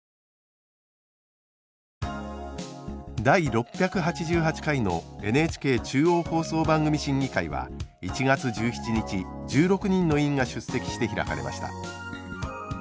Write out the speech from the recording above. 第６８８回のＮＨＫ中央放送番組審議会は１月１７日１６人の委員が出席して開かれました。